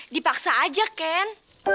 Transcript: dipaksa aja ken